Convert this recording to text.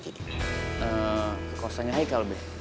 eee kosnya haikal be